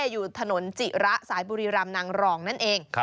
อยู่ถนนจิระสายบุรีรำนางรองนั่นเอง